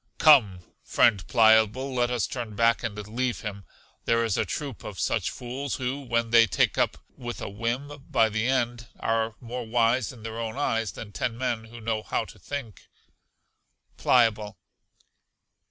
Come, friend Pliable, let us turn back and leave him; there is a troop of such fools who, when they take up with a whim by the end, are more wise in their own eyes than ten men who know how to think. Pliable.